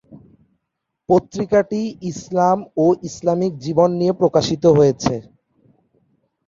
পত্রিকাটি ইসলাম ও ইসলামিক জীবন নিয়ে প্রকাশিত হয়েছে।